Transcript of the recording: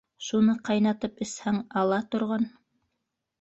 Шуны ҡайнатып эсһәң, ала торған.